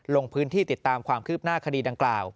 ลงพื้นที่ติดตามความคืบหน้าคดีดังกล่าว